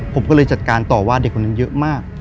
ผมก็เลยจัดการต่อว่าเด็กคนนั้นเยอะมาก